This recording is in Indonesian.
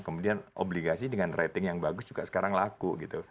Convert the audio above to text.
kemudian obligasi dengan rating yang bagus juga sekarang laku gitu